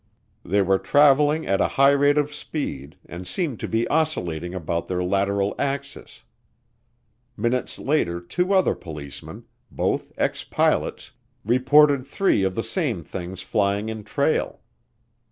They were traveling at a high rate of speed and seemed to be oscillating about their lateral axis. Minutes later two other policemen, both ex pilots, reported three of the same things flying in trail.